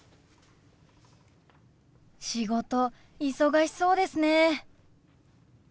仕事忙しそうですね。